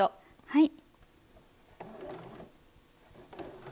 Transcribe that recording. はい。